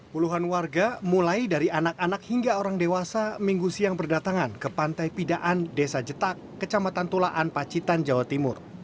puluhan warga mulai dari anak anak hingga orang dewasa minggu siang berdatangan ke pantai pidaan desa jetak kecamatan tulaan pacitan jawa timur